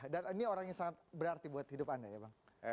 dan ini orang yang sangat berarti buat hidup anda ya bang